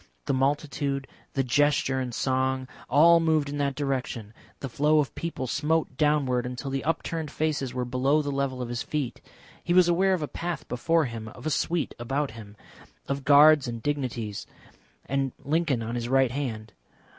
The multitude, the gesture and song, all moved in that direction, the flow of people smote downward until the upturned faces were below the level of his feet. He was aware of a path before him, of a suite about him, of guards and dignities, and Lincoln on his right hand.